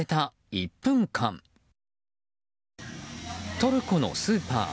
トルコのスーパー。